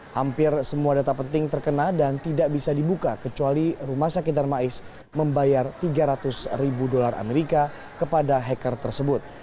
hampir semua data penting terkena dan tidak bisa dibuka kecuali rumah sakit darmais membayar tiga ratus ribu dolar amerika kepada hacker tersebut